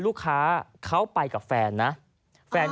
พร้อมกับหยิบมือถือขึ้นไปแอบถ่ายเลย